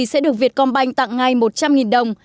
sẽ được vietcombank tặng ngay một trăm linh đồng